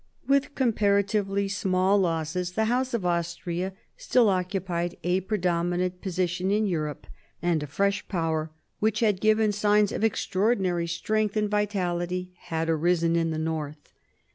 With comparatively small losses, the House of Austria still 54 MARIA THERESA ohap. hi occupied a predominant position in Europe, and a fresh Power which had given signs of extraordinary strength and vitality had arisen in the North.